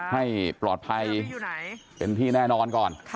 ให้ปลอดภัยเป็นที่แน่นอนก่อน